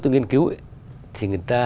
tôi nghiên cứu ấy thì người ta